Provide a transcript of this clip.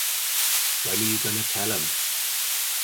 When are you going to tell them?